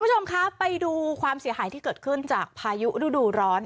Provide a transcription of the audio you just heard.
คุณผู้ชมคะไปดูความเสียหายที่เกิดขึ้นจากพายุฤดูร้อน